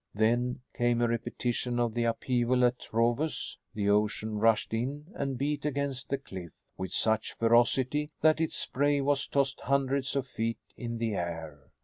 Then came a repetition of the upheaval at Trovus. The ocean rushed in and beat against the cliff with such ferocity that its spray was tossed hundreds of feet in the air.